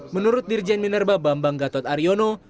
menurut dirjen minerba bambang gatot aryono